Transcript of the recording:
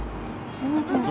すいません。